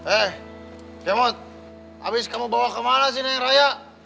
eh kemot abis kamu bawa kemana sih neng raya